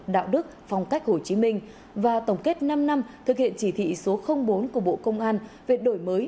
đạo đức phong cách hồ chí minh và tổng kết năm năm thực hiện chỉ thị số bốn của bộ công an về đổi mới